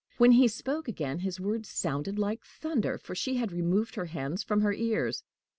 When he spoke again, his words sounded like thunder, for she had removed her hands from her ears.